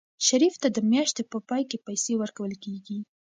شریف ته د میاشتې په پای کې پیسې ورکول کېږي.